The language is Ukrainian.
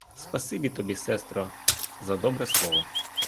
Спасибі тобі, сестро, за добре слово.